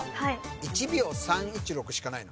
１秒３１６しかないの？